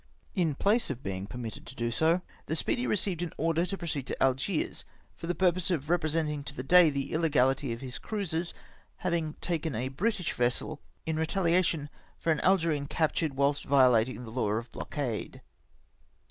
In place of being permitted so to do, the Speedy received an order to proceed to Algiers, for the purpose of representing to the Dey the illegality of his cruisers having taken a British vessel in retah ation for an Algerine captured whilst violating the law of blockade.